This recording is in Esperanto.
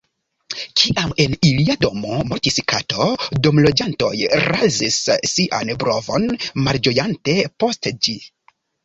Kiam en ilia domo mortis kato, domloĝantoj razis sian brovon malĝojante post ĝi.